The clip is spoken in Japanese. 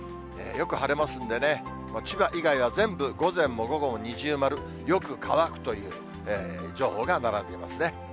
よく晴れますんでね、千葉以外は全部、午前も午後も二重丸、よく乾くという情報が並んでいますね。